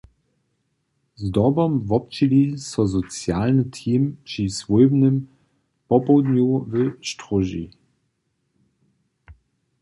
Zdobom wobdźěli so socialny team při swójbnym popołdnju w Stróži.